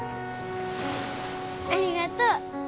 ありがとう。